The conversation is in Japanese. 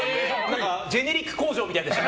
ジェネリック工場みたいでした。